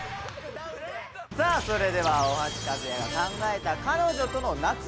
さあそれでは大橋和也が考えた彼女との夏の初デート